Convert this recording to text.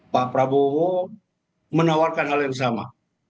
pak prabowo menawarkan hal yang sama